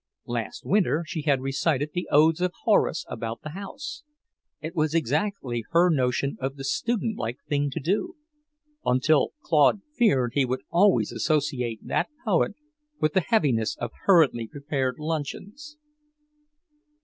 Last winter she had recited the odes of Horace about the house it was exactly her notion of the student like thing to do until Claude feared he would always associate that poet with the heaviness of hurriedly prepared luncheons.